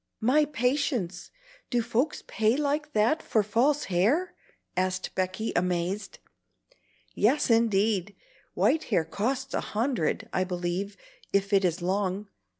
"My patience! do folks pay like that for false hair?" asked Becky, amazed. "Yes, indeed. White hair costs a hundred, I believe, if it is long.